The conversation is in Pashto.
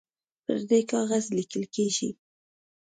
پر ده کاغذ لیکل کیږي